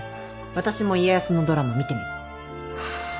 私も家康のドラマ見てみる